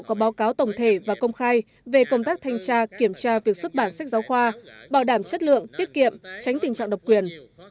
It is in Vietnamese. có báo cáo tổng thể và công khai về công tác thanh tra kiểm tra việc xuất bản sách giáo khoa bảo đảm chất lượng tiết kiệm tránh tình trạng độc quyền